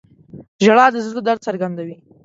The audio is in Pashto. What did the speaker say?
• ژړا د زړه درد څرګندوي.